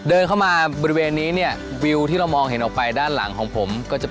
เดินเข้ามาบริเวณนี้เนี่ยวิวที่เรามองเห็นออกไปด้านหลังของผมก็จะเป็น